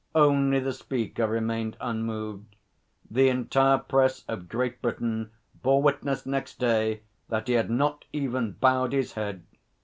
Only the Speaker remained unmoved. The entire press of Great Britain bore witness next day that he had not even bowed his head.